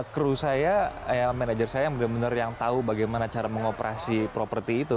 crew saya yang manajer saya benar benar yang tahu bagaimana cara mengoperasi properti itu